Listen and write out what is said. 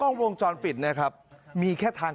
หนูก็เดินด้วยตัวเองอีกรอบหนึ่ง